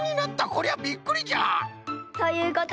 こりゃびっくりじゃ！ということでみっつめは。